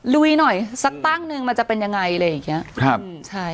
ลุยหน่อยสักตั้งนึงมันจะเป็นยังไงอะไรอย่างเงี้ยครับใช่